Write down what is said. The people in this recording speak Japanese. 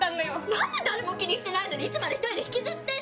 何で誰も気にしてないのにいつまで１人で引きずってんの！